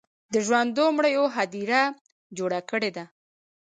د ژوندو مړیو هدیره جوړه کړې ده.